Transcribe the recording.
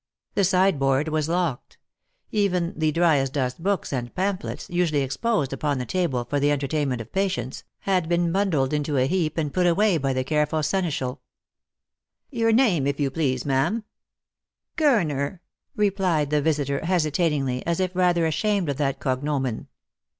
The sideboard was locked; even the dryasdust books and pamphlets, usually exposed upon the table for the enter tainment of patients, had been bundled into a heap and put away by the careful seneschal. 360 last for Love. " Your name, if you please, ma'am." " Gurner," replied the visitor hesitatingly, as if rather ashamed of that cognomen.